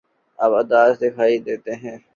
آپ اداس دکھائی دیتے ہیں